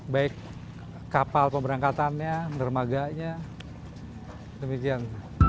baik kapal pemberangkatannya dermaganya demikian